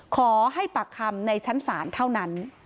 ขอให้ปากคำในชั้นศาลเท่านั้น